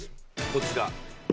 こちら。